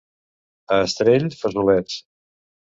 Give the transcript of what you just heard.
A Astell, fesolets.